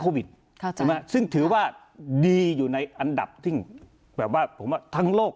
ซึ่งถือว่าดีอยู่ในอันดับที่แบบว่าผมว่าทั้งโลก